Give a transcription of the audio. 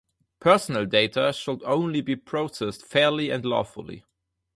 Personal data should only be processed fairly and lawfully.